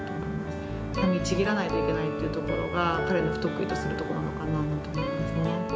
かみちぎらないといけないというところが、彼の不得意とするところなのかなと思いますね。